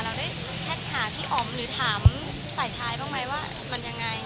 เราได้แท็กหาพี่อ๋อมหรือถามฝ่ายชายบ้างไหมว่ามันยังไง